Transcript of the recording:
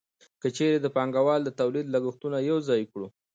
که چېرې د پانګوال د تولید لګښتونه یوځای کړو